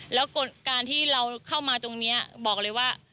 แล้วการที่เราเข้ามาตรงนี้บอกเลยว่า